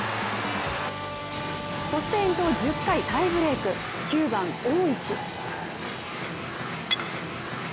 そして延長１０回タイブレーク９番・大石。